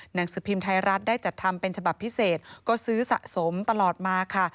หนังสือพิมพ์ไทยรัฐได้จัดทำเป็นฉบับพิเศษก็ซื้อสะสมตลอดมาค่ะ